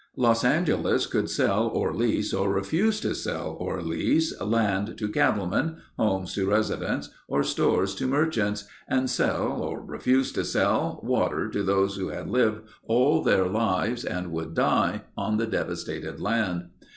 Los Angeles could sell or lease or refuse to sell or lease land to cattlemen, homes to residents or stores to merchants and sell or refuse to sell water to those who had lived all their lives and would die on the devastated land.